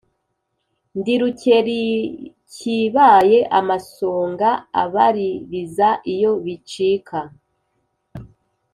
Ndi Rukelikibaye amasonga abaliriza iyo bicika.